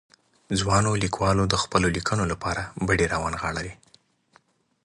ځوانو ليکوالو د خپلو ليکنو لپاره بډې را ونغاړلې.